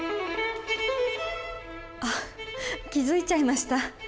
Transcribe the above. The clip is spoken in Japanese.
あ気付いちゃいました？